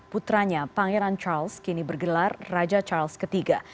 putranya pangeran charles kini bergelar raja charles iii